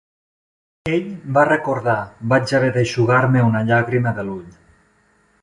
Ell va recordar, vaig haver d'eixugar-me una llàgrima de l"ull.